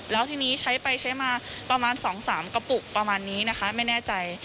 แล้วทีนี้ใช้ไปใช้มาประมาณ๒๓กระปุกประมาณนี้นะคะไม่แน่ใจ